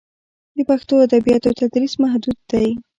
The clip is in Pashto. د پښتو ادبیاتو تدریس محدود دی.